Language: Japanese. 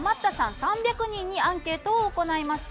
３００人にアンケートを行いました。